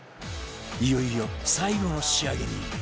いよいよ最後の仕上げに